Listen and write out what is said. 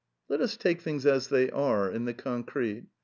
Let us take things as they are, in the concrete.